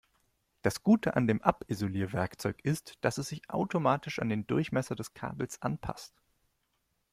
Das Gute an dem Abisolierwerkzeug ist, dass es sich automatisch an den Durchmesser des Kabels anpasst.